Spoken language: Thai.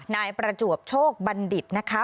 นายประจวบโชคบัณฑิตนะคะ